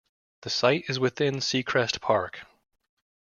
The site is within Seacrest Park.